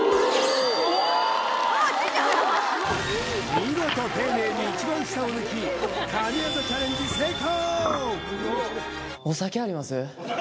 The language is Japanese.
見事丁寧に一番下を抜き、神業チャレンジ成功。